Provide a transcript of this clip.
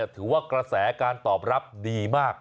ถือว่ากระแสการตอบรับดีมาก